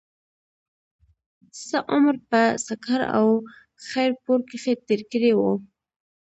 څۀ عمر پۀ سکهر او خېر پور کښې تير کړے وو